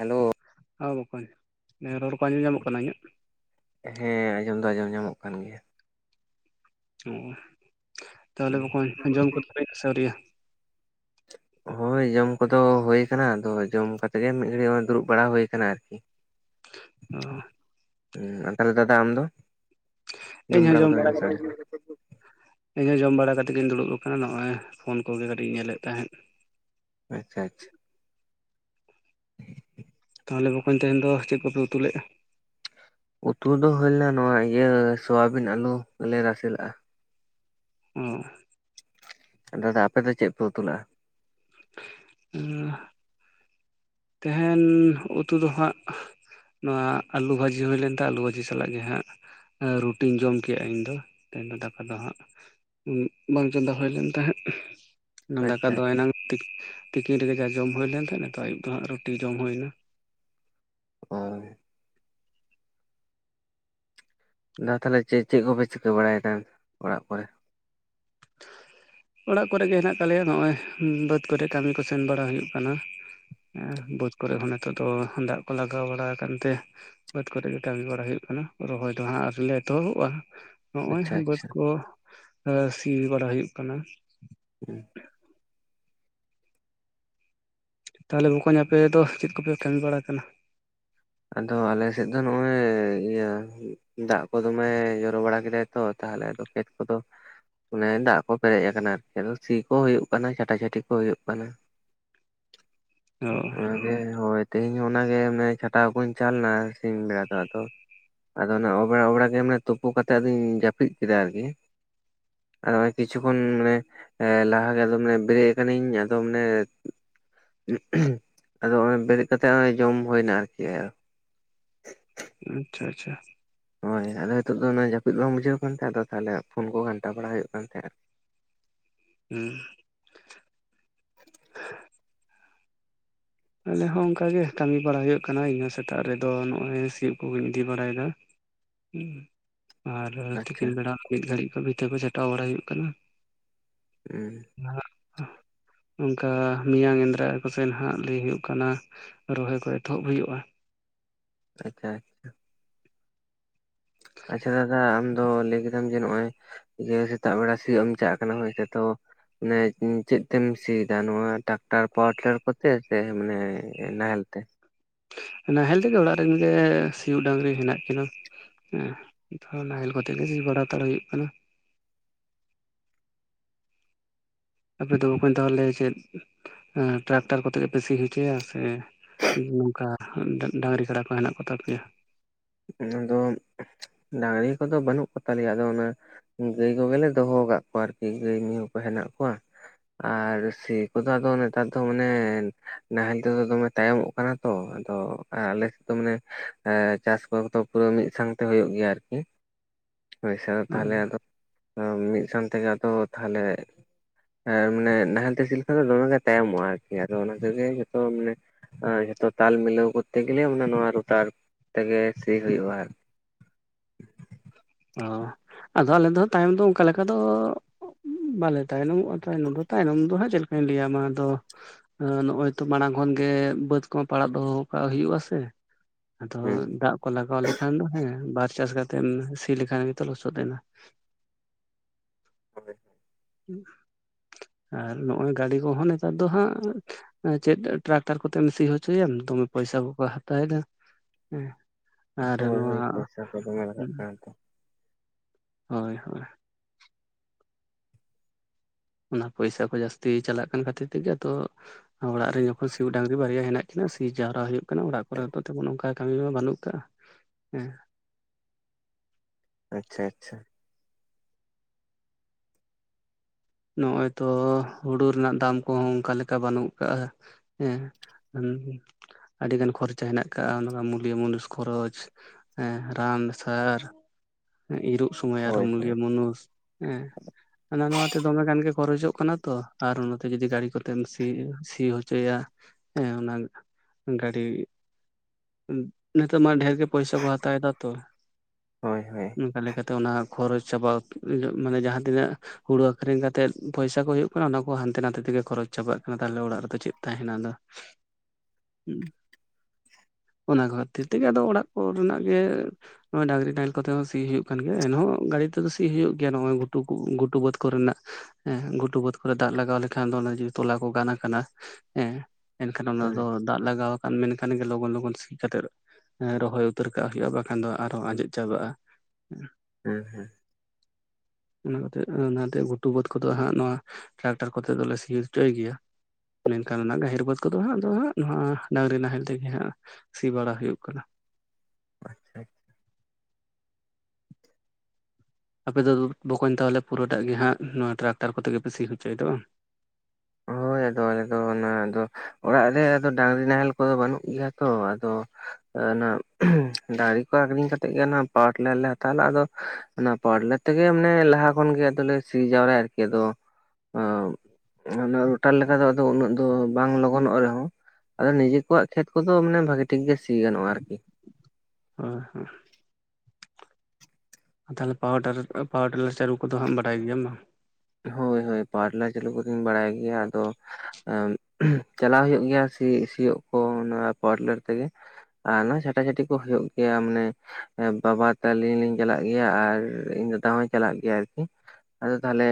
Hello. ᱦᱚᱸ ᱵᱚᱠᱚᱧ ᱨᱚᱲ ᱠᱚ ᱟᱧᱡᱚᱢ ᱧᱟᱢᱚᱜ ᱠᱟᱱᱟ ᱤᱧᱟᱹᱜ? ᱦᱮᱸ ᱟᱸᱡᱚᱢ ᱫᱚ ᱟᱸᱡᱚᱢ ᱧᱟᱢᱚᱜ ᱠᱟᱱ ᱜᱮᱭᱟ ᱾ ᱚ ᱛᱟᱦᱚᱞᱮ ᱵᱚᱠᱚᱭᱧ ᱡᱚᱢ ᱠᱚᱛᱮ ᱥᱮ ᱟᱣᱨᱤᱭᱟ? ᱦᱳᱭ ᱡᱚᱢ ᱠᱚᱫᱚ ᱦᱩᱭᱩ ᱟᱠᱟᱱᱟ ᱟᱫᱚ ᱡᱚᱢ ᱠᱟᱛᱮᱜ ᱜᱮ ᱢᱤᱫ ᱜᱷᱟᱹᱲᱤᱡ ᱫᱩᱲᱩᱵ ᱵᱟᱲᱟ ᱦᱩᱭᱩ ᱟᱠᱟᱱᱟᱱᱟ ᱟᱨᱠᱤ ᱾ ᱚ [unintelligible] ᱚ ᱾ ᱦᱮ ᱟᱨ ᱛᱟᱦᱞᱮ ᱫᱟᱫᱟ ᱟᱢ ᱫᱚ ᱡᱚᱢ ᱤᱧᱦᱚᱸ ᱵᱟᱲᱟ ᱠᱚᱫᱚ ᱦᱩᱭ ᱮᱱᱟ ᱥᱮ ᱟᱹᱣᱨᱤ? ᱠᱟᱛᱮᱫ ᱜᱮ ᱤᱧᱦᱚᱸ ᱡᱚᱢ ᱵᱟᱲᱟ ᱠᱟᱛᱮᱜᱤᱧ ᱫᱩᱲᱩᱵ ᱟᱠᱟᱱᱟ ᱱᱚᱜᱼᱚᱭ ᱯᱷᱳᱱ ᱠᱚᱜᱮ ᱠᱟᱹᱴᱤᱡ ᱤᱧ ᱧᱮᱞᱮᱫ ᱛᱟᱦᱮᱸᱫ ᱾ ᱟᱪᱷᱟ ᱟᱪᱷᱟ ᱾ ᱛᱟᱦᱚᱞᱮ ᱵᱚᱠᱚᱧ ᱛᱟᱦᱮᱧ ᱫᱚ ᱪᱮᱫ ᱠᱚᱯᱮ ᱩᱛᱩ ᱞᱮᱫᱼᱟ ᱻ ᱩᱛᱩ ᱫᱚ ᱦᱩᱭ ᱞᱮᱱᱟ ᱱᱚᱣᱟ ᱤᱭᱟᱹ ᱥᱚᱣᱟᱵᱤᱱ ᱟᱞᱩ ᱞᱮ ᱨᱟᱥᱮ ᱞᱟᱜ-ᱟ ᱾ ᱚ ᱾ ᱫᱟᱫᱟ ᱟᱯᱮ ᱫᱚ ᱪᱮᱫ ᱯᱮ ᱩᱛᱩ ᱞᱟᱜ-ᱟ? ᱩᱸ ᱛᱮᱦᱮᱱ ᱩᱛᱩ ᱫᱚ ᱦᱟᱸᱜ ᱱᱚᱣᱟ ᱟᱹᱞᱩ ᱵᱷᱟᱹᱡᱤ ᱦᱩᱭ ᱞᱮᱱ ᱛᱟᱦᱮ ᱟᱞᱩ ᱵᱷᱟᱹᱡᱤ ᱥᱟᱞᱟᱜ ᱜᱮ ᱦᱟᱸᱜ ᱨᱩᱴᱤᱧ ᱡᱚᱢ ᱠᱮᱜᱼᱟ ᱤᱧ ᱫᱚ, ᱛᱮᱦᱮᱧ ᱫᱚ ᱫᱟᱠᱟ ᱫᱚ ᱦᱟᱸᱜ ᱵᱟᱝ ᱪᱚᱹᱫᱟ ᱦᱩᱭᱞᱮᱱ ᱛᱟᱦᱮᱸᱜ ᱾ ᱚᱱᱟ ᱫᱟᱠᱟ ᱟᱪᱪᱷᱟ ᱫᱚ ᱮᱱᱟᱝ ᱛᱤᱠᱤᱱ ᱨᱮᱜᱮ ᱡᱟ ᱡᱚᱢ ᱦᱩᱭᱞᱮᱱ ᱛᱟᱦᱮᱸᱜ ᱱᱤᱛᱚᱜ ᱟᱭᱩᱵ ᱫᱚ ᱦᱟᱸᱜ ᱨᱩᱴᱤ ᱡᱚᱢ ᱦᱩᱭ ᱮᱱᱟ ᱾ ᱦᱳᱭ ᱾ ᱫᱟ ᱛᱟᱦᱚᱞᱮ ᱪᱮᱫ ᱪᱮᱫ ᱠᱚᱯᱮ ᱪᱤᱠᱟᱹ ᱵᱟᱲᱟᱭᱮᱫᱟ ᱚᱲᱟᱜ ᱠᱚᱨᱮ? ᱚᱲᱟᱜ ᱠᱚᱨᱮ ᱜᱮ ᱦᱮᱱᱟᱜ ᱞᱮᱭᱟ ᱱᱚᱜᱼᱚᱭ ᱵᱟᱹᱫᱽ ᱠᱚᱨᱮ ᱠᱟᱹᱢᱤ ᱠᱚ ᱥᱮᱱ ᱵᱟᱲᱟ ᱦᱩᱭᱩᱜ ᱠᱟᱱᱟ ᱾ ᱦᱮᱸ ᱵᱟᱹᱫᱽ ᱠᱚᱨᱮ ᱦᱚᱸ ᱱᱤᱛᱚᱜ ᱫᱚ ᱫᱟᱜ ᱠᱚ ᱞᱟᱜᱟᱣ ᱵᱟᱲᱟ ᱟᱠᱟᱱ ᱛᱮ ᱵᱟᱹᱫ ᱠᱚᱨᱮ ᱜᱮ ᱠᱟᱹᱢᱤ ᱵᱟᱲᱟ ᱦᱩᱭᱩᱜ ᱠᱟᱱᱟ ᱨᱚᱦᱚᱭ ᱫᱚ ᱦᱟᱸᱜ ᱟᱨᱤ ᱞᱮ ᱮᱛᱚᱦᱚᱵᱚᱜᱼᱟ ᱾ ᱱᱚᱜᱼᱚᱭ ᱟᱪᱪᱷᱟ ᱵᱟᱹᱫ ᱟᱪᱪᱷᱟ ᱠᱚ ᱥᱤ ᱵᱟᱲᱟ ᱦᱩᱭᱩᱜ ᱠᱟᱱᱟ ᱾ ᱦᱩᱸ ᱾ ᱛᱟᱦᱚᱞᱮ ᱵᱚᱠᱚᱧ ᱟᱯᱮ ᱫᱚ ᱪᱮᱫ ᱠᱚᱯᱮ ᱠᱟᱹᱢᱤ ᱵᱟᱲᱟ ᱠᱟᱱᱟ? ᱟᱫᱚ ᱟᱞᱮᱥᱮᱫ ᱫᱚ ᱱᱚᱜᱼᱚᱭ ᱤᱭᱟᱹ ᱫᱟᱜ ᱠᱚ ᱫᱚᱢᱮ ᱡᱚᱨᱚ ᱵᱟᱲᱟ ᱠᱮᱫᱟᱭ ᱛᱚ ᱛᱟᱦᱚᱞᱮ ᱟᱫᱚ ᱠᱷᱮᱛ ᱠᱚᱫᱚ ᱚᱱᱮ ᱫᱟᱜ ᱠᱚ ᱯᱮᱨᱮᱡ ᱟᱠᱟᱱᱟ ᱟᱨᱠᱤ ᱟᱫᱚ ᱥᱤ ᱠᱚ ᱦᱩᱭᱩᱜ ᱠᱟᱱᱟ ᱪᱷᱟᱴᱟ ᱪᱷᱟᱴᱤ ᱠᱚ ᱦᱩᱭᱩᱜ ᱠᱟᱱᱟ ᱾ [unintelligible] ᱚᱱᱟ ᱜᱮ ᱦᱳᱭ ᱛᱮᱦᱮᱧ ᱦᱚᱸ ᱚᱱᱟ ᱜᱮ ᱪᱷᱟᱴᱟᱣ ᱠᱩᱧ ᱪᱟᱞ ᱱᱟ ᱥᱤᱧ ᱵᱮᱲᱟ ᱫᱚ ᱟᱫᱚ ᱟᱫᱚ ᱚᱱᱟ ᱚᱵᱮᱲᱟ ᱚᱵᱮᱲᱟ‌ ᱜᱮ ᱢᱟᱱᱮ ᱛᱩᱯᱩ ᱠᱟᱛᱮᱜ ᱟᱫᱚᱧ ᱡᱟᱹᱯᱤᱫ ᱠᱮᱫᱟ ᱟᱨᱠᱤ ᱾ ᱟᱨ ᱱᱚᱜ-ᱚᱭ ᱠᱤᱪᱷᱩ ᱠᱷᱚᱱ ᱢᱟᱱᱮ ᱮᱸ ᱞᱟᱦᱟ ᱜᱮ ᱟᱫᱚ ᱢᱟᱱᱮ ᱵᱮᱨᱮᱫ ᱟᱠᱟᱱᱟᱹᱧ ᱟᱫᱚ ᱢᱟᱱᱮ [unintelligible] ᱟᱫᱚ ᱵᱮᱨᱮᱫ ᱠᱟᱛᱮᱜ ᱦᱚᱜ-ᱚᱭ ᱡᱚᱢ ᱦᱩᱭᱱᱟ ᱟᱨᱠᱤ ᱾ ᱟᱪᱪᱷᱟ ᱟᱪᱪᱷᱟ ᱾ ᱦᱳᱭ ᱟᱫᱚ ᱦᱤᱛᱳ ᱫᱚ ᱚᱱᱟ ᱡᱟᱹᱯᱤᱫ ᱵᱟᱝ ᱵᱩᱡᱷᱟᱹᱣ ᱠᱟᱱ ᱛᱟᱦᱮᱸ ᱟᱫᱚ ᱛᱟᱦᱚᱞᱮ ᱯᱷᱳᱱ ᱠᱚ ᱜᱷᱟᱱᱴᱟ ᱵᱟᱲᱟ ᱦᱩᱭᱩᱜ ᱠᱟᱱ ᱛᱟᱦᱮᱸᱫᱼᱟ ᱾ ᱦᱩᱸ ᱾ ᱟᱞᱮ ᱦᱚᱸ ᱚᱱᱠᱟ ᱜᱮ ᱠᱟᱹᱢᱤ ᱵᱟᱲᱟ ᱦᱩᱭᱩᱜ ᱠᱟᱱᱟ ᱤᱧᱦᱚᱸ ᱥᱮᱛᱟᱜ ᱨᱮᱫᱚ ᱱᱚᱜ-ᱚᱭ ᱥᱤᱭᱚᱜ ᱠᱚᱹᱧ ᱤᱫᱤ ᱵᱟᱲᱟᱭᱮᱫᱟ ᱾ ᱦᱩᱸ ᱾ ᱟᱨ ᱟᱨᱠᱤ ᱟᱪᱪᱷᱟ ᱛᱤᱠᱤᱱ ᱵᱮᱲᱟ ᱢᱤᱫ ᱜᱷᱟᱹᱲᱤᱡ ᱠᱚ ᱵᱷᱤᱛᱟᱹ ᱠᱚ ᱪᱷᱟᱴᱟᱣ ᱵᱟᱲᱟ ᱦᱩᱭᱩᱜ ᱠᱟᱱᱟ ᱾ ᱦᱩᱸ ᱾ ᱱᱟᱦᱜ ᱚᱱᱠᱟ ᱢᱮᱭᱟᱝ ᱮᱸᱫᱽᱨᱟᱭ ᱠᱚᱥᱮᱱ ᱦᱟᱸᱜ ᱞᱟᱹᱭ ᱦᱩᱭᱩᱜ ᱠᱟᱱᱟ ᱨᱚᱦᱚᱭ ᱠᱚ ᱮᱛᱚᱦᱚᱵ ᱦᱩᱭᱩᱜᱼᱟ ᱾ ᱟᱪᱪᱷᱟ ᱟᱪᱪᱷᱟ ᱾ ᱟᱪᱪᱷᱟ ᱫᱟᱫᱟ ᱟᱢ ᱫᱚ ᱞᱟᱹᱭ ᱠᱮᱫᱟᱢ ᱡᱮ ᱱᱚᱜᱼᱚᱭ ᱡᱮ ᱥᱮᱛᱟᱜ ᱵᱮᱲᱟ ᱥᱤᱭᱳᱜ ᱮᱢ ᱪᱟᱜ ᱠᱟᱱᱟ ᱦᱳᱭ ᱥᱮ, ᱛᱚ ᱢᱟᱱᱮ ᱪᱮᱫ ᱛᱮᱢ ᱥᱤᱭᱮᱫᱟ ᱱᱚᱣᱟ ᱴᱨᱟᱠᱴᱟᱨ ᱯᱟᱣᱟᱨᱴᱤᱞᱟᱨ ᱠᱚᱛᱮ ᱥᱮ ᱢᱟᱱᱮ ᱱᱟᱦᱮᱞ ᱛᱮ? ᱱᱟᱦᱮᱞ ᱛᱮᱜᱮ ᱚᱲᱟᱜ ᱨᱮᱱ ᱜᱮ ᱥᱤᱭᱳᱜ ᱰᱟᱹᱝᱨᱤ ᱦᱮᱱᱟᱜ ᱠᱤᱱᱟᱹ ᱾ ᱦᱮᱸ ᱛᱚ ᱱᱟᱦᱮᱞ ᱠᱟᱛᱮ ᱜᱮ ᱥᱤ‌‌ ᱵᱟᱲᱟ ᱦᱟᱛᱟᱲ ᱦᱩᱭᱩᱜ ᱠᱟᱱᱟ ᱾ ᱟᱯᱮ ᱫᱚ ᱵᱚᱠᱚᱹᱧ ᱛᱟᱦᱞᱮ ᱪᱮᱫ ᱴᱨᱟᱠᱴᱟᱨ ᱠᱚᱛᱮ ᱜᱮᱯᱮ ᱥᱤ ᱦᱚᱪᱚᱭᱟ ᱥᱮ ᱱᱚᱝᱠᱟ ᱰᱟᱹᱝᱨᱤ ᱠᱟᱰᱟ ᱠᱚ ᱦᱮᱱᱟᱜ ᱠᱚᱛᱟ ᱯᱮᱭᱟ? ᱟᱫᱚ ᱰᱟᱹᱝᱨᱤ ᱠᱚᱫᱚ ᱵᱟᱹᱱᱩᱜ ᱠᱚᱛᱟᱞᱮᱭᱟ, ᱟᱫᱚ ᱚᱱᱟ ᱜᱟᱹᱭ ᱠᱚᱜᱮ ᱞᱮ ᱫᱚᱦᱚ ᱟᱠᱟᱫ ᱠᱚᱣᱟ ᱟᱨᱠᱤ, ᱜᱟᱹᱭ ᱢᱤᱦᱩ ᱠᱚ ᱦᱮᱱᱟᱜ ᱠᱚᱣᱟ ᱾ ᱟᱨ ᱥᱤ ᱠᱚᱫᱚ ᱟᱫᱚ ᱱᱮᱛᱟᱨ ᱫᱚ ᱢᱟᱱᱮ ᱱᱟᱦᱮᱞ ᱛᱮᱫᱚ ᱫᱚᱢᱮ ᱛᱟᱭᱚᱢᱚᱜ ᱠᱟᱱᱟ᱾ ᱛᱚ ᱟᱫᱚ ᱟᱞᱮ ᱥᱮᱫ ᱫᱚ ᱢᱟᱱᱮ ᱮᱸ ᱪᱟᱥ ᱚᱠᱛᱚ ᱯᱩᱨᱟᱹ ᱢᱤᱫ ᱥᱟᱶᱛᱮ ᱦᱩᱭᱩᱜ ᱜᱮᱭᱟ ᱟᱨᱠᱤ ᱦᱚᱭᱥᱮ ᱟᱫᱚ ᱛᱟᱦᱚᱞᱮ ᱟᱫᱚ ᱢᱤᱫ ᱥᱟᱶ ᱛᱮᱜᱮ ᱟᱫᱚ ᱛᱟᱦᱚᱞᱮ ᱦᱮ ᱢᱟᱱᱮ ᱱᱟᱦᱮᱞ ᱛᱮ ᱥᱤ ᱞᱮᱠᱷᱟᱱ ᱫᱚᱢᱮ ᱜᱮ ᱛᱟᱭᱚᱢᱚᱜ-ᱟ ᱟᱨᱠᱤ, ᱟᱫᱚ ᱚᱱᱟ ᱛᱮᱜᱮ ᱡᱷᱚᱛᱚ ᱢᱟᱱᱮ ᱟᱨ ᱡᱷᱚᱛᱚ ᱛᱟᱞ ᱢᱤᱞᱟᱹᱣ ᱠᱚᱨᱛᱮ ᱜᱮᱞᱮ ᱱᱚᱣᱟ ᱨᱩᱴᱟᱨ ᱛᱮᱜᱮ ᱥᱤ ᱦᱩᱭᱩᱜ-ᱟ᱾ ᱚᱸ ᱟᱫᱚ ᱟᱞᱮ ᱫᱚ ᱛᱟᱭᱚᱢ ᱫᱚ ᱚᱱᱠᱟ ᱞᱮᱠᱟ ᱫᱚ ᱵᱟᱞᱮ ᱛᱟᱭᱱᱚᱢᱚᱜ-ᱟ ᱛᱟᱭᱱᱚᱢ ᱫᱚ ᱛᱟᱭᱱᱚᱢ ᱫᱚ ᱦᱟᱸᱜ ᱪᱮᱫ ᱞᱮᱠᱟᱧ ᱞᱟᱹᱭᱟᱢᱟ, ᱟᱫᱚ ᱟᱸᱻᱱᱚᱜ-ᱚᱭ ᱛᱚ ᱢᱟᱬᱟᱝ ᱠᱷᱚᱱ ᱜᱮ ᱵᱟᱹᱛ ᱠᱚᱸ ᱯᱟᱲᱟᱣ ᱫᱚᱦᱚ ᱠᱟᱜ ᱦᱩᱭᱩᱜ-ᱟ ᱥᱮ ᱾ ᱟᱫᱚ ᱦᱩᱸ ᱫᱟᱜ ᱠᱚ ᱞᱟᱜᱟᱣ ᱞᱮᱠᱷᱟᱱ ᱫᱚ ᱦᱮᱸ ᱵᱟᱨ ᱪᱟᱥ ᱠᱟᱛᱮᱜ ᱮᱢ ᱥᱤ ᱞᱮᱠᱷᱟᱱ ᱜᱮᱛᱚ ᱞᱚᱥᱚᱫ ᱮᱱᱟ᱾ [unintelligible] ᱟᱨ ᱱᱚᱜ-ᱚᱭ ᱜᱟᱰᱤ ᱠᱚᱦᱚᱸ ᱱᱮᱛᱟᱨ ᱫᱚ ᱦᱟᱸᱜ ᱚᱸ ᱪᱮᱫ ᱴᱨᱟᱠᱴᱟᱨ ᱠᱚᱛᱮᱢ ᱥᱤ ᱦᱚᱪᱚᱭᱟᱢ ᱫᱚᱢᱮ ᱯᱚᱭᱥᱟ ᱠᱚᱠᱚ ᱦᱟᱛᱟᱮᱫᱟ᱾ ᱦᱮᱸ ᱟᱨ ᱦᱳᱭ ᱦᱳᱭ ᱱᱚᱣᱟ ᱯᱚᱭᱥᱟ ᱠᱚ ᱫᱚᱢᱮ ᱞᱟᱜᱟᱜ ᱦᱩᱸ ᱠᱟᱱᱟ ᱛᱚ ᱦᱳᱭ ᱦᱳᱭ ᱾ ᱚᱱᱟ ᱯᱚᱭᱥᱟ ᱠᱚ ᱡᱟᱥᱛᱤ ᱪᱟᱞᱟᱜ ᱠᱟᱱ ᱠᱷᱟᱹᱛᱤᱨ ᱛᱮᱜᱮ ᱟᱫᱚ ᱚᱲᱟᱜ ᱨᱮ ᱡᱚᱠᱷᱚᱱ ᱥᱤᱭᱩᱜ ᱰᱟᱝᱨᱤ ᱵᱟᱨᱭᱟ ᱦᱮᱱᱟᱜ ᱠᱤᱱᱟ ᱥᱤ ᱡᱟᱣᱨᱟ ᱦᱩᱭᱩᱜ ᱠᱟᱱᱟ ᱚᱲᱟᱜ ᱠᱚᱨᱮ ᱦᱚᱸ ᱛᱚ ᱵᱩᱱ ᱱᱩᱝᱠᱟ ᱠᱟᱢᱤ ᱢᱟ ᱵᱟᱱᱩᱜ ᱠᱟᱜ-ᱟ ᱦᱮᱸ᱾ ᱟᱪᱪᱷᱟ ᱟᱪᱪᱷᱟ ᱾ ᱱᱚᱜ-ᱚᱭ ᱛᱚ ᱦᱩᱲᱩ ᱨᱮᱱᱟᱜ ᱫᱟᱢ ᱠᱚᱦᱚᱸ ᱚᱱᱠᱟ ᱞᱮᱠᱟ ᱵᱟᱱᱩᱜ ᱟᱠᱟᱜ-ᱟ ᱾ ᱦᱮᱸ ᱟᱱ ᱟᱹᱰᱤ ᱜᱟᱱ ᱠᱷᱚᱨᱪᱟ ᱦᱮᱱᱟᱜ ᱠᱟᱜ-ᱟ ᱚᱱᱟ ᱫᱚ ᱢᱩᱞᱭᱚ ᱢᱩᱱᱤᱥ ᱠᱷᱚᱨᱚᱪ ᱦᱮᱸ ᱨᱟᱱ ᱥᱟᱨ ᱦᱮᱸ ᱤᱨᱩᱜ ᱥᱩᱢᱟᱹᱭ ᱟᱨ ᱦᱳᱭ ᱦᱚᱸ ᱦᱳᱭ ᱢᱩᱞᱭᱚ ᱢᱚᱱᱩᱥ ᱦᱮᱸ ᱦᱟᱱᱟ ᱱᱚᱶᱟ ᱛᱮ ᱫᱚᱢᱮ ᱜᱟᱱ ᱜᱮ ᱠᱷᱚᱨᱚᱪᱚᱜ ᱠᱟᱱᱟ ᱛᱚ ᱟᱨ ᱱᱚᱛᱮ ᱡᱩᱫᱤ ᱜᱟᱲᱤ ᱠᱚᱛᱮᱢ ᱥᱤ ᱥᱤ ᱦᱚᱪᱚᱭᱟ ᱾ ᱦᱮᱸ ᱚᱱᱟ ᱜᱟᱲᱤ ᱩᱸᱵ ᱱᱮᱛᱟᱨ ᱢᱟ ᱰᱷᱮᱨ ᱜᱮ ᱯᱚᱭᱥᱟ ᱠᱚ ᱦᱟᱛᱟᱣ ᱮᱫᱟ ᱛᱚ ᱦᱳᱭ ᱦᱳᱭ ᱩᱸᱜ ᱠᱟ ᱞᱮᱠᱟ ᱛᱮ ᱚᱱᱟ ᱠᱷᱚᱨᱚᱪ ᱪᱟᱵᱟᱣ ᱛᱮᱜ ᱤᱭᱟᱹᱜ ᱢᱟᱱᱮ ᱡᱟᱦᱟᱸ ᱛᱤᱱᱟᱹᱜ ᱦᱩᱲᱩ ᱟᱠᱷᱨᱤᱧ ᱠᱟᱛᱮᱫ ᱯᱚᱭᱥᱟ ᱠᱚ ᱦᱩᱭᱩᱜ ᱠᱟᱱᱟ ᱚᱱᱟ ᱠᱚ ᱦᱟᱱᱛᱮ ᱱᱟᱛᱮ ᱛᱮᱜᱮ ᱠᱷᱚᱨᱚᱪ ᱪᱟᱵᱟᱜ ᱠᱟᱱᱟ ᱛᱟᱦᱚᱞᱮ ᱚᱲᱟᱜ ᱨᱮᱫᱚ ᱪᱮᱫ ᱛᱟᱦᱮᱱᱟ ᱟᱫᱚ ᱾ [unintelligible] ᱚᱱᱟ ᱠᱚ ᱠᱷᱟᱹᱛᱤᱨ ᱛᱮᱜᱮ ᱟᱫᱚ ᱚᱲᱟᱜ ᱠᱚ ᱨᱮᱱᱟᱜ ᱜᱮ ᱱᱚᱜ-ᱚᱭ ᱰᱟᱝᱨᱤ ᱱᱟᱦᱮᱞ ᱠᱚᱛᱮ ᱦᱚᱸ ᱥᱤ ᱦᱩᱭᱩᱜ ᱠᱟᱱ ᱜᱮᱭᱟ ᱮᱱᱦᱚᱸ ᱜᱟᱲᱤ ᱛᱮᱫᱚ ᱥᱤ ᱦᱩᱭᱩᱜ ᱜᱮᱭᱟ ᱮᱱᱦᱚᱸ ᱜᱷᱩᱴᱩ ᱠᱩ ᱜᱷᱩᱴᱩ ᱵᱟᱹᱛᱷ ᱠᱚᱨᱮᱱᱟᱜ᱾ ᱦᱮᱸ ᱜᱷᱩᱴᱩ ᱵᱟᱹᱛᱷ ᱠᱚᱨᱮ ᱫᱟᱜ ᱞᱟᱜᱟᱣ ᱞᱮᱠᱷᱟᱱ ᱫᱚ ᱚᱱᱟ ᱡᱤ ᱛᱚᱞᱟ ᱠᱚ ᱜᱟᱱ ᱟᱠᱟᱱᱟ ᱦᱮᱸ ᱾ ᱮᱱᱠᱷᱟᱱ ᱚᱱᱟ ᱦᱩᱸ ᱫᱚ ᱫᱟᱜ ᱞᱟᱜᱟᱣ ᱠᱟᱱ ᱢᱮᱱᱠᱷᱟᱱ ᱞᱚᱜᱚᱱ ᱞᱚᱜᱚᱱ ᱥᱤ ᱠᱟᱛᱮᱜ ᱨᱚᱦᱚᱭ ᱩᱛᱟᱹᱨ ᱠᱟᱜ ᱦᱩᱭᱩᱜ-ᱟ ᱵᱟᱠᱷᱟᱱ ᱫᱚ ᱟᱨᱦᱚ ᱟᱸᱡᱮᱫ ᱪᱟᱵᱟᱜ-ᱟ᱾ [unintelligible] ᱦᱮᱸ ᱦᱮᱸ᱾ [unintelligible] ᱚᱱᱟ ᱠᱟᱛᱮᱜ ᱮ ᱚᱱᱟᱛᱮ ᱜᱷᱩᱴᱩ ᱵᱟᱹᱫᱽ ᱠᱚᱫᱚ ᱦᱟᱸᱜ ᱱᱚᱣᱟ ᱴᱨᱟᱠᱴᱟᱨ ᱠᱚᱛᱮ ᱫᱚᱞᱮ ᱥᱤ ᱦᱚᱪᱚᱭ ᱜᱮᱭᱟ ᱾ ᱢᱮᱱᱠᱷᱟᱱ ᱚᱱᱟ ᱜᱟᱹᱦᱤᱨ ᱵᱟᱹᱛ ᱠᱚᱫᱚ ᱦᱟᱸᱜ ᱟᱫᱚ ᱦᱟᱸᱜ ᱱᱚᱣᱟ ᱰᱟᱝᱨᱤ ᱱᱟᱦᱮᱞ ᱛᱮᱜᱮ ᱾ ᱦᱟᱸᱜ ᱥᱤ ᱵᱟᱲᱟ ᱦᱩᱭᱩᱜ ᱠᱟᱱᱟ ᱾ ᱟᱪᱪᱷᱟ ᱟᱯᱮ ᱫᱚ ᱫᱚᱵᱽ ᱵᱚᱠᱚᱧ ᱛᱟᱦᱚᱞᱮ ᱯᱩᱨᱟᱹ ᱴᱟᱜ ᱜᱮ ᱦᱟᱸᱜ ᱱᱚᱣᱟ ᱴᱨᱟᱠᱴᱟᱨ ᱠᱚᱛᱮ ᱜᱮᱯᱮ ᱥᱤ ᱦᱚᱪᱚᱭ ᱫᱟ ᱵᱟᱝ? ᱦᱳᱭ ᱟᱫᱚ ᱟᱞᱮ ᱫᱚ ᱚᱱᱟ ᱫᱚ ᱦᱳᱭ ᱟᱫᱚ ᱚᱲᱟᱜ ᱨᱮ ᱟᱫᱚ ᱰᱟᱝᱨᱤ ᱱᱟᱦᱮᱞ ᱠᱚᱫᱚ ᱵᱟᱱᱩᱜ ᱜᱮᱭᱟ ᱛᱚ᱾ ᱟᱫᱚ ᱮᱻ ᱚᱱᱟ ᱰᱟᱝᱨᱤ ᱠᱚ ᱟᱠᱷᱨᱤᱧ ᱠᱟᱛᱮᱜ ᱜᱮ ᱚᱱᱟ ᱯᱟᱣᱟᱨ ᱴᱤᱞᱟᱨ ᱞᱮ ᱦᱟᱛᱟᱣ ᱞᱮᱜ ᱟᱫᱚ ᱚᱱᱟ ᱯᱟᱣᱟᱨᱴᱤᱞᱟ ᱛᱮᱜᱮ ᱢᱟᱱᱮ ᱞᱟᱦᱟ ᱠᱷᱚᱱ ᱜᱮ ᱟᱫᱚ ᱞᱮ ᱥᱤ ᱡᱟᱣᱨᱟᱭᱟ ᱟᱨᱠᱤ᱾ ᱟᱫᱚ ᱚᱻ ᱚᱱᱟ ᱨᱳᱴᱟᱨ ᱞᱮᱠᱟ ᱫᱚ ᱟᱫᱚ ᱩᱱᱟᱹᱜ ᱫᱚ ᱵᱟᱝ ᱞᱚᱜᱚᱱᱚᱜ ᱨᱮᱦᱚᱸ ᱟᱫᱚ ᱱᱤᱡᱮ ᱠᱚᱣᱟᱜ ᱠᱷᱮᱛ ᱠᱚᱫᱚ ᱢᱟᱱᱮ ᱵᱷᱟᱜᱤ ᱴᱷᱤᱠ ᱜᱮ ᱥᱤ ᱜᱟᱱᱚᱜ-ᱟ ᱟᱨᱠᱤ᱾ ᱚ ᱦᱚᱸ᱾ ᱟᱨ ᱛᱟᱦᱚᱞᱮ ᱯᱟᱣᱟᱨ ᱴᱟᱨᱟᱨ ᱟ ᱯᱟᱣᱟᱨ ᱴᱤᱞᱟᱨ ᱪᱟᱞᱩ ᱠᱚᱫᱚ ᱦᱟᱸᱜ ᱮᱢ ᱵᱟᱰᱟᱭ ᱜᱮᱭᱟᱢ ᱵᱟᱝ᱾ ᱦᱳᱭ ᱦᱳᱭ ᱯᱟᱣᱟᱨ ᱴᱤᱞᱟᱨ ᱪᱟᱹᱞᱩ ᱠᱚᱫᱚᱧ ᱵᱟᱲᱟᱭ ᱜᱮᱭᱟ ᱟᱫᱚᱼᱼ ᱟᱢ ᱪᱟᱞᱟᱣ ᱦᱩᱭᱩᱜ ᱜᱮᱭᱟ ᱥᱤ ᱥᱤᱭᱳᱜ ᱠᱚ ᱱᱚᱣᱟᱟ ᱯᱟᱣᱟᱨ ᱴᱤᱞᱟᱨ ᱛᱮᱜᱮ᱾ ᱟᱨ ᱱᱚᱣᱟ ᱪᱷᱟᱴᱟ ᱪᱷᱟᱹᱴᱤ ᱠᱚ ᱦᱩᱭᱩᱜ ᱜᱮᱭᱟ ᱢᱟᱱᱮ ᱦᱮ ᱵᱟᱵᱟ ᱛᱟᱹᱞᱤᱧ ᱞᱤᱧ ᱪᱟᱞᱟᱜ ᱜᱮᱭᱟ ᱟᱨ ᱤᱧ ᱫᱟᱫᱟ ᱦᱚᱸᱭ ᱪᱟᱞᱟᱜ ᱜᱮᱭᱟ ᱟᱨᱠᱤ᱾ ᱟᱫᱚ ᱛᱟᱦᱚᱞᱮ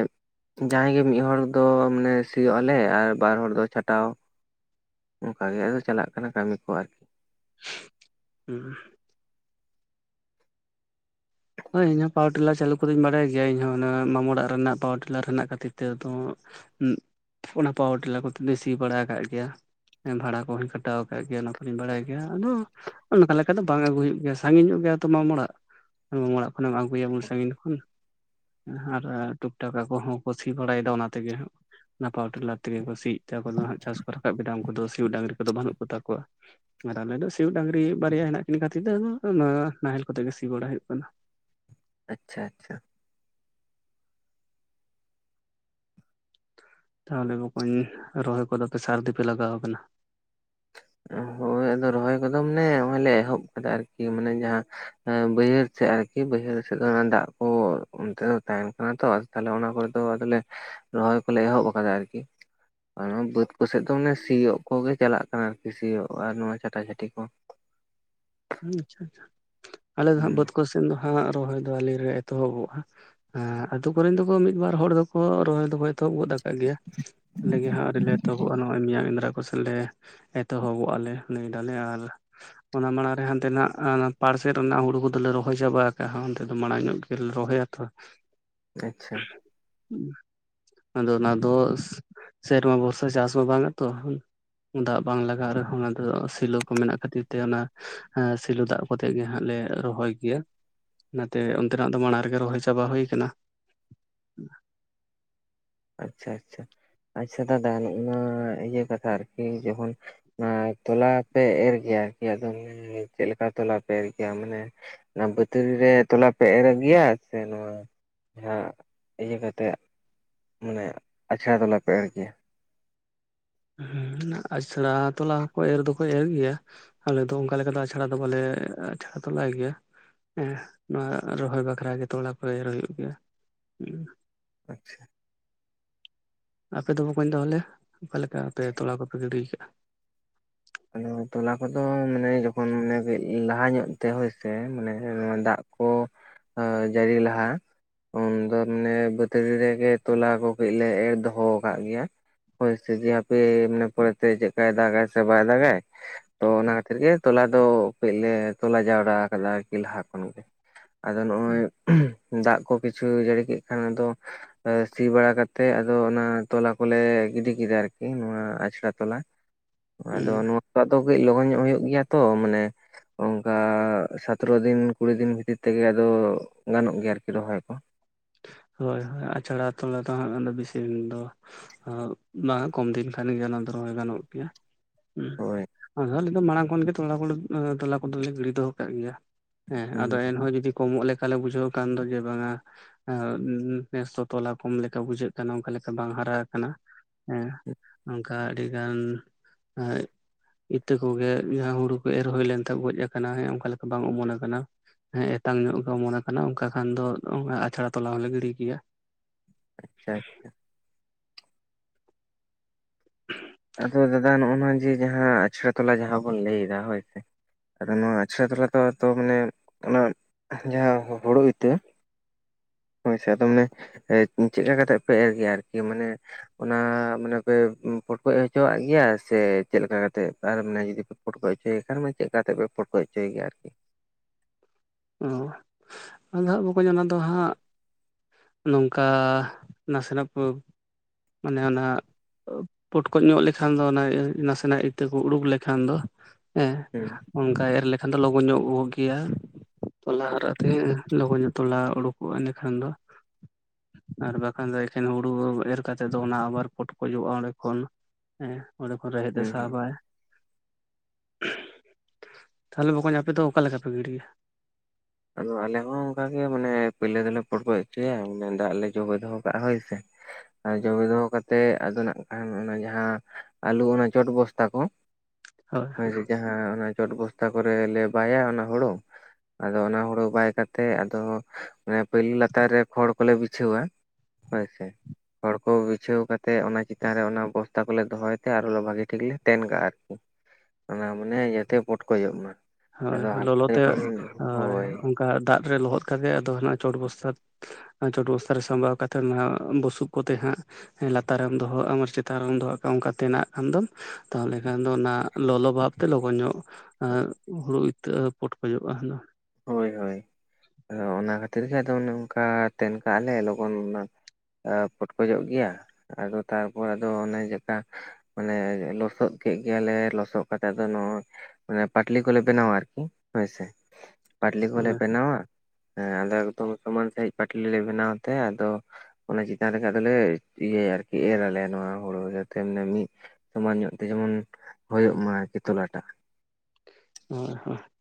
ᱡᱟᱦᱟᱸᱭ ᱜᱮ ᱢᱤᱫᱦᱚᱲ ᱫᱚ ᱢᱟᱱᱮ ᱥᱤᱭᱳᱜ ᱟᱞᱮ ᱟᱨ ᱵᱟᱨ ᱦᱚᱲ ᱫᱚ ᱪᱷᱟᱴᱟᱣ᱾ ᱚᱝᱠᱟ ᱜᱮ ᱟᱫᱚ ᱪᱟᱞᱟᱜ ᱠᱟᱱᱟ ᱠᱟᱢᱤ ᱠᱚ ᱟᱨ [unintelligible] ᱦᱳᱭ ᱤᱧ ᱦᱚᱸ ᱯᱟᱣᱟᱨ ᱴᱤᱞᱟᱨ ᱪᱟᱞᱩ ᱠᱚᱫᱩᱧ ᱵᱟᱲᱟᱭ ᱜᱮᱭᱟ᱾ ᱤᱧ ᱦᱚᱸ ᱚᱱᱟ ᱢᱟᱢᱚ ᱚᱲᱟᱜ ᱨᱮᱱᱟᱜ ᱯᱟᱣᱟᱨ ᱴᱤᱞᱟᱨ ᱨᱮᱱᱟᱜ ᱠᱷᱟᱹᱛᱤᱨ ᱛᱮ ᱦᱚᱸ ᱩᱸᱜ ᱚᱱᱟ ᱯᱟᱣᱚᱨ ᱴᱮᱞᱟᱨ ᱠᱚᱛᱮ‌ ᱫᱩᱧ ᱥᱤ ᱵᱟᱲᱟ ᱟᱠᱟᱜ ᱜᱮᱭᱟ᱾ ᱮᱸ ᱵᱷᱟᱲᱟ ᱠᱚᱦᱚᱧ ᱠᱷᱟᱴᱟᱣ ᱟᱠᱟᱜ ᱜᱮᱭᱟ, ᱚᱱᱟ ᱠᱩᱞᱤᱧ ᱵᱟᱲᱟᱭ ᱜᱮᱭᱟ᱾ ᱟᱫᱚ ᱟᱫᱚ ᱛᱟᱦᱞᱮ ᱠᱷᱟᱡ ᱫᱚ ᱵᱟᱝ ᱟᱹᱜᱩᱭ ᱦᱩᱭᱩᱜ ᱜᱮᱭᱟ, ᱥᱟᱝᱜᱤᱧ ᱧᱚᱜ ᱜᱮᱭᱟ ᱛᱚ ᱢᱟᱢᱚ ᱚᱲᱟᱜ᱾ ᱢᱟᱢᱚ ᱚᱲᱟᱜ ᱠᱷᱚᱱᱟᱜ ᱮᱢ ᱟᱜᱩᱭᱟ ᱩᱱ ᱥᱟᱜᱤᱧ ᱠᱷᱚᱱ᱾ ᱟᱨ ᱴᱩᱠᱴᱟᱠ ᱟᱠᱚᱦᱚᱸ ᱠᱩ ᱥᱤ ᱵᱟᱲᱟᱭᱮᱫᱟ ᱚᱱᱟ ᱛᱮᱜᱮ ᱦᱟᱸᱜ᱾ ᱚᱱᱟ ᱯᱟᱣᱟᱨ ᱴᱤᱞᱟᱨ ᱛᱮᱜᱮ ᱠᱚ ᱥᱤᱭ ᱮᱫᱛᱮ ᱟᱠᱚ ᱫᱚ ᱦᱟᱸᱜ ᱪᱟᱥ ᱠᱚ ᱨᱟᱠᱟᱵ ᱠᱮᱫᱟ ᱩᱱᱠᱩ ᱫᱚ᱾ ᱥᱤᱭᱜ ᱰᱟᱝᱨᱤ ᱠᱚᱫᱚ ᱵᱟᱹᱱᱩᱜ ᱠᱚᱛᱟ ᱠᱚᱣᱟ᱾ ᱟᱨ ᱟᱞᱮ ᱫᱚ ᱥᱤᱭᱚ ᱰᱟᱝᱨᱤ ᱵᱟᱨᱭᱟ ᱦᱮᱱᱟᱜ ᱠᱤᱱ ᱠᱷᱟᱛᱤᱨ [unintelligible] ᱱᱟᱦᱮᱞ ᱠᱚᱛᱮ ᱜᱮ ᱥᱤ ᱵᱟᱲᱟᱭ ᱦᱩᱭᱩᱜ ᱠᱟᱱᱟ᱾ ᱟᱪᱪᱷᱟ ᱟᱪᱪᱷᱟ᱾ ᱛᱟᱦᱚᱞᱮ ᱵᱚᱠᱚᱧ ᱨᱚᱦᱚᱭ ᱠᱚᱫᱟ ᱯᱮ ᱥᱟᱨᱫᱤ ᱯᱮ ᱞᱟᱜᱟᱣ ᱟᱠᱟᱱᱟ? ᱦᱳᱭ ᱟᱫᱚ ᱨᱚᱦᱚᱭ ᱠᱚᱫᱚ ᱢᱟᱱᱮ ᱱᱚᱜᱚᱭ ᱞᱮ ᱮᱦᱚᱵ ᱠᱟᱫᱟ ᱟᱨᱠᱤ ᱢᱟᱱᱮ ᱡᱟᱦᱟᱸ ᱮᱸ ᱵᱟᱹᱭᱦᱟᱹᱲ ᱥᱮᱫ ᱟᱨᱠᱤ᱾ ᱵᱟᱹᱭᱦᱟᱹᱲ ᱥᱮᱫ ᱫᱚ ᱚᱱᱟ ᱫᱟᱜ ᱠᱚ ᱚᱱᱛᱮ ᱫᱚ ᱛᱟᱦᱮᱱ ᱠᱟᱱᱟ ᱛᱚ ᱟᱫ ᱛᱟᱦᱞᱮ ᱚᱱᱟ ᱠᱚᱨᱮ ᱫᱚ ᱟᱫᱚᱞᱮ ᱨᱚᱦᱚᱭ ᱠᱚᱞᱮ ᱮᱦᱚᱵ ᱠᱟᱫᱟ ᱟᱨᱠᱤ᱾ ᱟᱨ ᱱᱚᱣᱟ ᱵᱟᱹᱫᱽ ᱠᱚᱥᱡ ᱫᱚ ᱢᱟᱱᱮ ᱥᱤᱭᱳᱜ ᱠᱚᱜᱮ ᱪᱟᱞᱟᱜ ᱠᱟᱱᱟ ᱟᱨᱠᱤ ᱥᱤᱭᱳᱜ ᱟᱨ ᱱᱚᱣᱟ ᱪᱷᱟᱴᱟᱪᱷᱟᱴᱤ ᱠᱚ᱾ ᱦᱩᱸ ᱟᱪᱪᱷᱟ ᱟᱪᱪᱷᱟ᱾ ᱟᱞᱮ ᱫᱚ ᱦᱟᱸᱜ ᱦᱩᱸ ᱵᱟᱹᱫᱽᱠᱚ ᱥᱮᱱ ᱫᱚ ᱦᱟᱸᱜ ᱨᱚᱦᱚᱭ ᱫᱚ ᱟᱞᱤᱨᱮ ᱮᱛᱚᱦᱚᱵᱚᱜᱼᱟ᱾ ᱮᱸ ᱟᱛᱩ ᱠᱚᱨᱮᱱ ᱫᱚᱠᱚ ᱢᱤᱫ ᱵᱟᱨ ᱦᱚᱲ ᱫᱚᱠᱚ ᱨᱚᱦᱚᱭ ᱫᱚᱦᱚᱭ ᱮᱛᱚᱦᱚᱵ ᱜᱚᱫ ᱟᱠᱟᱫ ᱜᱮᱭᱟ ᱟᱞᱮ ᱜᱮ ᱦᱟᱜ ᱟᱣᱨᱤ ᱞᱮ ᱮᱛᱚᱦᱚᱵᱚᱜᱼᱟ ᱱᱚᱜᱼᱚᱭ ᱢᱮᱭᱟᱝ ᱮᱫᱽᱨᱟ ᱠᱚᱥᱮᱫ ᱞᱮ ᱮᱛᱚᱦᱚᱵᱚᱜ ᱟᱞᱮ ᱞᱟᱹᱭᱫᱟᱞᱮ ᱟᱨ ᱚᱱᱟ ᱢᱟᱲᱟᱝ ᱦᱟᱱᱛᱮᱱᱟᱜ ᱚᱱᱟ ᱯᱟᱲᱥᱮᱫ ᱨᱮᱱᱟᱜ ᱦᱩᱲᱩ ᱠᱚᱫᱚᱞᱮ ᱨᱚᱦᱚᱭ ᱪᱟᱵᱟ ᱟᱠᱟᱜᱼᱟ᱾ ᱦᱟᱸ ᱚᱱᱛᱮ ᱫᱚ ᱢᱟᱲᱟᱝ ᱧᱚᱜ ᱜᱮᱞᱮ ᱨᱚᱦᱚᱭᱟ ᱛᱚ᱾ [inaudible] ᱟᱪᱪᱷᱟ᱾ ᱟᱫᱚ ᱚᱱᱟ ᱫᱚ ᱥᱮᱨᱢᱟ ᱵᱷᱚᱨᱥᱟ ᱪᱟᱥ ᱢᱟ ᱵᱟᱝᱟ ᱛᱚ᱾ ᱫᱟᱜ ᱵᱟᱝ ᱞᱟᱜᱟᱜ ᱨᱮᱦᱚ ᱚᱱᱟ ᱫᱚ ᱥᱮᱞᱳ ᱠᱚ ᱢᱮᱱᱟᱜ ᱠᱷᱟᱹᱛᱤᱨ ᱛᱮ ᱚᱱᱟ ᱮᱸ ᱥᱤᱞᱚ ᱫᱟᱜ ᱠᱚᱛᱮᱜ ᱜᱮ ᱦᱟᱸᱜ ᱞᱮ ᱨᱚᱦᱚᱭ ᱠᱮᱭᱟ ᱚᱱᱟᱛᱮ ᱚᱱᱛᱮᱱᱟᱜ ᱫᱚ ᱢᱟᱲᱟᱝ ᱨᱮᱜᱮ ᱨᱚᱦᱚᱭ ᱪᱟ ᱪᱟᱵᱟ ᱦᱩᱭ ᱠᱟᱱᱟ᱾ ᱟᱪᱪᱷᱟ ᱟᱪᱪᱷᱟ ᱟᱪᱪᱷᱟ ᱫᱟᱫᱟ ᱱᱚᱜ-ᱚᱱᱟ ᱤᱭᱟᱹ ᱠᱟᱛᱷᱟ ᱟᱨᱠᱤ ᱡᱚᱠᱷᱚᱱ ᱱᱚᱣᱟ ᱛᱚᱞᱟ ᱯᱮ ᱮᱨ ᱜᱮᱭᱟ ᱟᱨᱠᱤ ᱟᱫᱚ ᱢᱟᱱᱮ ᱪᱮᱫᱞᱮᱠᱟ ᱛᱚᱞᱟ ᱯᱮ ᱮᱨ ᱜᱮᱭᱟ ᱢᱟᱱᱮ ᱚᱱᱟ ᱵᱟᱹᱛᱨᱤ ᱨᱮ ᱛᱚᱞᱟ ᱯᱮ ᱮᱨ ᱜᱮᱭᱟ ᱥᱮ ᱱᱚᱶᱟ ᱡᱟᱦᱟᱸ ᱤᱭᱟᱹ ᱠᱟᱛᱮ ᱢᱟᱱᱮ ᱟᱪᱷᱲᱟ ᱛᱚᱞᱟᱯᱮ ᱮᱨ ᱜᱮᱭᱟ? ᱦᱮᱸ ᱟᱪᱷᱲᱟ ᱛᱚᱞᱟ ᱦᱚᱠᱚ ᱮᱨ ᱫᱚᱠᱚ ᱮᱨ ᱜᱮᱭᱟ᱾ ᱟᱞᱮᱚ ᱫᱚ ᱚᱱᱠᱟ ᱞᱮᱠᱟ ᱫᱚ ᱟᱪᱷᱟᱲᱟ ᱫᱚ ᱵᱟᱞᱮ ᱟᱪᱷᱟᱲᱟ ᱛᱚᱞᱟᱭ ᱜᱮᱭᱟ᱾ ᱮᱸᱦ ᱱᱚᱣᱟ ᱨᱚᱦᱚᱭ ᱵᱟᱠᱷᱨᱟ ᱜᱮ ᱛᱚᱞᱟ ᱠᱚ ᱮᱨ ᱦᱩᱭᱩᱜ ᱜᱮᱭᱟ᱾ ᱦᱩᱸ᱾ ᱟᱪᱪᱷᱟ᱾ ᱟᱯᱮ ᱫᱚ ᱵᱟᱠᱚᱧ ᱛᱟᱦᱚᱞᱮ ᱚᱠᱟ ᱞᱮᱠᱟ ᱟᱯᱮ ᱛᱚᱞᱟ ᱠᱚᱯᱮ ᱜᱤᱰᱤᱭ ᱟᱠᱟᱜᱼᱟ? ᱟᱫᱚ ᱛᱚᱞᱟ ᱠᱚᱫᱚ ᱢᱟᱱᱮ ᱡᱚᱠᱷᱚᱱ ᱢᱟᱱᱮ ᱠᱟᱹᱡ ᱞᱟᱦᱟ ᱧᱚᱜ ᱛᱮ ᱦᱳᱭᱥᱮ ᱢᱟᱱᱮ ᱫᱟᱜ ᱠᱚ ᱦᱳᱭ ᱡᱟᱹᱨᱤ ᱞᱟᱦᱟ ᱩᱱᱫᱚ ᱢᱟᱱᱮ ᱵᱟᱹᱛᱨᱤ ᱨᱮᱜᱮ ᱛᱚᱞᱟ ᱠᱚ ᱠᱟᱹᱡ ᱞᱮ ᱮᱨ ᱫᱚᱦᱚ ᱠᱟᱜ ᱜᱮᱭᱟ᱾ ᱦᱭ ᱥᱮ ᱡᱮ ᱦᱟᱯᱮ ᱢᱟᱱᱮ ᱯᱚᱨᱮᱛᱮ ᱪᱮᱫᱠᱟᱭ ᱫᱟᱜᱟᱭ ᱥᱮ ᱵᱟᱭ ᱫᱟᱜᱟᱭ, ᱛᱚ ᱚᱱᱟ ᱠᱷᱟᱹᱛᱤᱨ ᱜᱮ ᱛᱚᱞᱟ ᱫᱚ ᱠᱟᱹᱡᱞᱮ ᱛᱚᱞᱟ ᱡᱟᱣᱨᱟ ᱠᱟᱫᱟ ᱟᱨᱠᱤ ᱞᱟᱦᱟ ᱠᱷᱚᱱᱜᱮ᱾ ᱟᱫᱚ ᱱᱚᱜᱼᱚᱭ ᱫᱟᱜ ᱠᱚ ᱠᱤᱪᱷᱩᱭ ᱡᱟᱹᱲᱤ ᱠᱮᱫ ᱠᱷᱟᱱ ᱟᱫᱚ ᱥᱤ ᱵᱟᱲᱟ ᱠᱟᱛᱮᱜ ᱟᱫᱚ ᱚᱱᱟ ᱛᱚᱞᱟ ᱠᱚᱞᱮ ᱜᱤᱰᱤ ᱠᱮᱫᱟ ᱟᱨᱠᱤ ᱱᱚᱶᱟ ᱟᱪᱷᱲᱟ ᱛᱚᱞᱟ, ᱟᱫᱚ ᱱᱚᱣᱟ ᱠᱚᱫᱚ ᱟᱫᱚ ᱠᱟᱹᱡ ᱞᱚᱜᱚᱱ ᱧᱚᱜ ᱦᱩᱭᱩᱜ ᱜᱮᱭᱟ ᱛᱚ ᱢᱟᱱᱮ ᱚᱱᱠᱟ ᱥᱟᱛᱨᱚ ᱫᱤᱱ ᱠᱩᱲᱤ ᱫᱤᱱ ᱵᱷᱤᱛᱤᱨ ᱛᱮᱜᱮ ᱟᱫᱚ ᱜᱟᱱᱚᱜ ᱜᱮᱭᱟ ᱟᱨᱠᱤ ᱨᱚᱦᱚᱭ ᱠᱚ᱾ ᱦᱳᱭ ᱦᱳᱭ ᱟᱪᱷᱟᱲᱟ ᱛᱚᱞᱟ ᱫᱚ ᱦᱟᱸᱜ ᱫᱚ ᱵᱮᱥᱤ ᱫᱤᱱ ᱫᱚ ᱵᱟᱝ ᱠᱚᱢ ᱫᱤᱱ ᱠᱷᱟᱱ ᱜᱮ ᱚᱱᱟ ᱫᱚ ᱨᱚᱦᱚᱭ ᱜᱟᱱᱚᱜ ᱜᱮᱭᱟ᱾ ᱦᱳᱭ ᱦᱩᱸ ᱟᱫᱚ ᱟᱞᱮᱫᱚ ᱢᱟᱲᱟᱝ ᱠᱷᱚᱱᱜᱮ ᱛᱚᱞᱟ ᱠᱚᱞᱮ ᱛᱚᱞᱟ ᱠᱚᱫᱚᱞᱮ ᱜᱤᱲᱤ ᱫᱚᱦᱚ ᱠᱟᱜ ᱜᱮᱭᱟ᱾ ᱦᱮᱸ ᱟᱫᱚ ᱦᱩᱸ ᱮᱱᱦᱚᱸ ᱡᱩᱫᱤ ᱠᱚᱢᱚᱜ ᱞᱮᱠᱟᱞᱮ ᱵᱩᱡᱷᱟᱹᱣ ᱠᱷᱟᱱ ᱫᱚ ᱡᱮ ᱵᱟᱝᱟ ᱦᱮᱸ ᱱᱮᱥ ᱫᱚ ᱛᱚᱞᱟ ᱠᱚᱢ ᱞᱮᱠᱟ ᱵᱩᱡᱷᱟᱹᱜ ᱠᱟᱱᱟ ᱚᱱᱠᱟ ᱞᱮᱠᱟ ᱵᱟᱝ ᱦᱟᱨᱟ ᱠᱟᱱᱟ, ᱦᱮᱸ ᱚᱝᱠᱟ ᱟᱹᱰᱤ ᱜᱟᱱ [unintelligible] ᱤᱛᱟᱹ ᱠᱚᱜᱮ ᱡᱟᱦᱟᱸ ᱦᱩᱲᱩ ᱠᱚ ᱮᱨ ᱦᱩᱭ ᱞᱮᱱᱛᱟᱦᱮ ᱜᱚᱡ ᱠᱟᱱᱟ ᱚᱱᱠᱟ ᱞᱮᱠᱟ ᱵᱟᱝ ᱚᱢᱚᱱ ᱠᱟᱱᱟ᱾ ᱦᱮᱸ ᱮᱛᱟᱝ ᱧᱚᱜ ᱜᱮ ᱚᱢᱚᱱ ᱠᱟᱱᱟ ᱚᱱᱠᱟ ᱠᱷᱟᱱ ᱫᱚ ᱚᱱᱟ ᱟᱪᱷᱟᱲᱟ ᱛᱚᱞᱟ ᱦᱚᱞᱮ ᱜᱤᱲᱤ ᱠᱮᱭᱟ᱾ ᱟᱪᱪᱷᱟ ᱟᱪᱪᱷᱟ᱾ ᱟᱫᱚ ᱫᱟᱫᱟ ᱱᱚᱜ-ᱱᱚᱣᱟ ᱡᱮ ᱡᱟᱦᱟᱸ ᱟᱪᱷᱲᱟ ᱛᱚᱞᱟ ᱡᱟᱦᱟᱸ ᱵᱚᱱ ᱞᱟᱹᱭ ᱫᱟ ᱦᱳᱭ ᱥᱮ, ᱟᱫᱚ ᱱᱚᱣᱟ ᱟᱪᱷᱲᱟ ᱛᱞᱟ ᱫᱚ ᱢᱟᱱᱮ ᱚᱱᱟ ᱡᱟᱦᱟᱸ ᱦᱳᱲᱳ ᱤᱛᱟᱹ, ᱦᱳᱭᱥᱮ ᱟᱫᱚ ᱢᱟᱱᱮ ᱪᱮᱫ ᱠᱟ ᱠᱟᱛᱮᱜ ᱯᱮ ᱮᱨ ᱜᱮᱭᱟ ᱟᱨᱠᱤ? ᱢᱟᱱᱮ ᱚᱱᱟ ᱢᱟᱱᱮ ᱯᱮ ᱯᱷᱚᱴᱠᱚᱡ ᱦᱚᱪᱚᱣᱟᱜ ᱜᱮᱭᱟ ᱥᱮ ᱪᱮᱫᱞᱮᱠᱟ ᱠᱟᱛᱮᱜ ᱟᱨ ᱢᱟᱱᱮ ᱡᱚᱫᱤ ᱯᱮ ᱯᱳᱴᱠᱳᱡ ᱦᱚᱪᱚᱭ ᱠᱷᱟᱱ ᱢᱤᱫᱴᱤᱡ ᱠᱟᱛᱮ ᱯᱮ ᱯᱳᱴᱠᱳᱡ ᱦᱚᱪᱚᱭᱜᱮᱭᱟ ᱟᱨᱠᱤ? ᱚ ᱟᱫᱚ ᱦᱟᱸᱜ ᱵᱚᱠᱚᱧ ᱚᱱᱟ ᱫᱚ ᱦᱟᱸᱜ ᱱᱚᱝᱠᱟ ᱱᱟᱸᱥᱮᱱᱟᱜ [inaudible] ᱢᱟᱱᱮ ᱚᱱᱟ ᱯᱚᱴᱠᱚᱡ ᱧᱚᱜ ᱞᱮᱠᱷᱟᱱ ᱫᱚ ᱚᱱᱟ ᱱᱟᱥᱮᱱᱟᱜ ᱤᱛᱟᱹ ᱠᱚ ᱩᱰᱩᱠ ᱞᱮᱠᱷᱟᱱ ᱫᱚ ᱦᱮᱸ ᱦᱩᱸ ᱚᱱᱠᱟ ᱮᱨ ᱞᱮᱠᱷᱟᱱ ᱫᱚ ᱞᱚᱜᱚᱱ ᱧᱚᱜ ᱜᱮ ᱩᱰᱩᱜ ᱜᱤᱭᱟ, ᱛᱚᱞᱟ ᱦᱟᱨᱟᱜ ᱛᱮᱦᱮᱸ ᱞᱚᱜᱚᱱ ᱧᱚᱜ ᱛᱚᱞᱟ ᱩᱰᱩᱠᱚᱜᱼᱟ ᱮᱸᱰᱮᱠᱷᱟᱱ ᱫᱚ᱾ ᱟᱨ ᱵᱟᱠᱷᱟᱱ ᱫᱚ ᱮᱠᱷᱮᱱ ᱦᱩᱲᱩ ᱮᱨ ᱠᱟᱛᱮᱫ ᱫᱚ ᱚᱱᱟ ᱟᱵᱟᱨ ᱯᱚᱴᱠᱚᱡᱚᱜᱼᱟ ᱚᱸᱰᱮ ᱠᱷᱚᱱ ᱦᱮᱸ ᱚᱸᱰᱮ ᱠᱷᱚᱱ ᱨᱮᱦᱮᱫ ᱮ ᱦᱩᱸ ᱦᱩᱸ ᱥᱟᱵᱟᱭ᱾ ᱛᱟᱦᱚᱞᱮ ᱵᱚᱠᱚᱧ ᱟᱯᱮ ᱫᱚ ᱚᱠᱟᱞᱮᱠᱟ ᱯᱮ ᱜᱤᱲᱤᱭᱟ? ᱟᱫᱚ ᱟᱞᱮ ᱦᱚᱸ ᱚᱱᱠᱟ ᱜᱮ ᱢᱟᱱᱮ ᱯᱳᱭᱞᱳ ᱫᱚᱞᱮ ᱯᱚᱴᱠᱚᱡ ᱦᱚᱪᱚᱭᱟ ᱢᱟᱱᱮ ᱫᱟᱜ ᱞᱮ ᱡᱚᱵᱮ ᱫᱚᱦᱚ ᱠᱟᱜᱼᱟ ᱦᱳᱭᱥᱮ? ᱟᱨ ᱡᱚᱵᱮ ᱫᱚᱦᱚ ᱠᱟᱛᱮᱫ ᱟᱫᱚ ᱱᱟᱜ ᱠᱷᱟᱱ ᱚᱱᱟ ᱡᱟᱦᱟᱸ ᱟᱹᱞᱩ ᱚᱱᱟ ᱪᱚᱴ ᱵᱚᱥᱛᱟ ᱠᱚ ᱦᱳᱭ ᱚᱱᱮ ᱡᱮ ᱡᱟᱦᱟᱸ ᱚᱱᱟ ᱪᱚᱴ ᱵᱚᱥᱛᱟ ᱠᱚᱨᱮᱞᱮ ᱵᱟᱭᱟ ᱚᱱᱟ ᱦᱳᱲᱳ, ᱟᱫᱚ ᱚᱱᱟ ᱦᱩᱲᱩ ᱵᱟᱭ ᱠᱟᱛᱮ ᱟᱫᱚ ᱢᱟᱱᱮ ᱯᱩᱭᱞᱩ ᱞᱟᱛᱟᱨ ᱨᱮ ᱠᱷᱚᱲ ᱠᱚᱞᱮ ᱵᱤᱪᱷᱟᱹᱣᱟ, ᱦᱳᱭ ᱥᱮ ᱠᱷᱚᱲ ᱠᱚ ᱵᱤᱪᱷᱟᱹᱣ ᱠᱟᱛᱮᱫ ᱚᱱᱟ ᱪᱮᱛᱟᱱ ᱨᱮ ᱚᱱᱟ ᱵᱚᱥᱛᱟ ᱠᱚᱞᱮ ᱫᱚᱦᱚᱭ ᱛᱮ ᱟᱨ ᱵᱷᱟᱜᱤ ᱴᱷᱤᱠ ᱞᱮ ᱛᱮᱱ ᱠᱟᱜᱼᱟ ᱟᱨᱠᱤ᱾ ᱚᱱᱟ ᱢᱟᱱᱮ ᱡᱟᱛᱮ ᱯᱚᱴᱠᱚᱡᱚᱜ ᱢᱟ᱾ ᱦᱳᱭ ᱟᱫᱚ ᱦᱟᱞᱠᱟ ᱞᱚᱞᱚᱛ ᱛᱮ ᱡᱚᱠᱷᱚᱱ ᱦᱳᱭ ᱚᱱᱠᱟ ᱫᱟᱜ ᱨᱮ ᱞᱚᱦᱚᱫ ᱠᱟᱛᱮ ᱟᱫᱚ ᱦᱟᱱᱟ ᱪᱚᱴ ᱵᱚᱥᱛᱟ ᱪᱚᱴ ᱵᱚᱥᱛᱷᱟ ᱨᱮ ᱥᱟᱵᱟᱣ ᱠᱟᱛᱮᱫ ᱚᱱᱟ ᱵᱩᱥᱩᱵ ᱠᱚᱛᱮ ᱦᱟᱸᱜ ᱞᱟᱛᱟᱨ ᱨᱮᱢ ᱫᱚᱦᱚᱼᱟ ᱪᱮᱛᱟᱱ ᱨᱮᱢ ᱫᱚᱦᱚ ᱠᱟᱜ ᱚᱱᱠᱟᱛᱮᱱᱟᱜ ᱠᱷᱟᱱ ᱫᱚ ᱛᱟᱦᱞᱮ ᱠᱷᱟᱱ ᱫᱚ ᱚᱱᱟ ᱞᱚᱞᱚ ᱵᱷᱟᱵ ᱛᱮ ᱞᱚᱜᱚᱱ ᱧᱚᱜ ᱦᱩᱲᱩ ᱤᱛᱟᱹᱜ ᱯᱚᱴᱠᱚᱡᱚᱜᱼᱟ ᱟᱫᱚ ᱾ ᱦᱳᱭ ᱦᱳᱭ ᱟᱫᱚ ᱚᱱᱟ ᱠᱷᱟᱹᱛᱤᱨ ᱜᱮ ᱟᱫᱚ ᱚᱱᱮ ᱚᱱᱠᱟ ᱛᱮᱱ ᱠᱟᱜᱼᱟ ᱞᱮ ᱞᱚᱜᱚᱱ ᱚᱱᱟ ᱮᱸ ᱯᱚᱴᱠᱚᱡᱚᱜ ᱜᱮᱭᱟ ᱟᱫᱚ ᱛᱟᱨᱯᱚᱨ ᱟᱫᱚ ᱚᱱᱮ ᱪᱮᱠᱟ ᱢᱟᱱᱮ ᱞᱚᱥᱚᱫ ᱠᱮᱫ ᱜᱮᱭᱟᱞᱮ ᱞᱚᱥᱚᱫ ᱠᱟᱛᱮᱜ ᱫᱚ ᱱᱚᱜ-ᱚᱭ ᱢᱟᱱᱮ ᱯᱟᱴᱞᱤ ᱠᱚᱞᱮ ᱵᱮᱱᱟᱣᱟ ᱟᱨᱠᱤ ᱦᱳᱭ ᱥᱮ ᱾ ᱯᱟᱴᱞᱤ ᱠᱚᱞᱮ ᱵᱮᱱᱟᱣᱟ, ᱦᱮᱸ ᱟᱫᱚ ᱮᱠᱫᱚᱢ ᱥᱚᱢᱟᱱ ᱥᱟᱸᱦᱤᱡ ᱯᱟᱴᱞᱤ ᱞᱮ ᱵᱮᱱᱟᱣ ᱛᱮ ᱟᱫᱚ ᱚᱱᱟ ᱪᱮᱛᱟᱱ ᱨᱮᱜᱮ ᱟᱫᱚᱞᱮ ᱤᱭᱟᱹᱭᱟ ᱟᱨᱠᱤ ᱮᱨ ᱟᱞᱮ ᱱᱚᱣᱟ ᱦᱳᱲᱳ ᱡᱟᱛᱮ ᱢᱟᱱᱮ ᱢᱤᱫ ᱥᱚᱢᱟᱱ ᱧᱚᱜ ᱛᱮ ᱡᱮᱢᱚᱱ ᱦᱳᱭᱳᱜ ᱢᱟ ᱟᱨᱠᱤ ᱛᱞᱟ ᱴᱟᱜ ᱾ ᱦᱳᱭ ᱦᱳᱭ ᱾